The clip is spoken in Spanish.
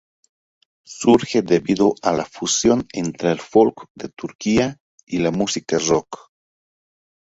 Surge debido a la fusión entre el folk de Turquía y la música rock.